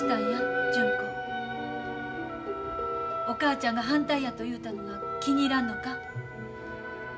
お母ちゃんが反対やと言うたのが気に入らんのか？